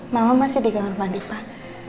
mama masih di kamar mandi pak